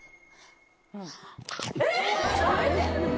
えっ！